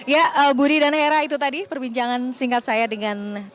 ya budi dan hera itu tadi perbincangan singkat saya dengan